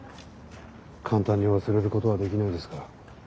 簡単に忘れることはできないですから。